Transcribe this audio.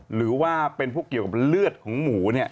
หรือว่าเป็นพวกเกี่ยวกับเลือดของหมูเนี่ย